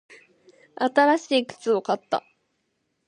新しい靴を買った。